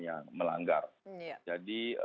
yang melanggar jadi